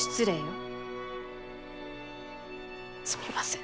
すみません。